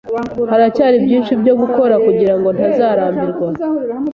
Haracyari byinshi byo gukora, kugirango ntazarambirwa.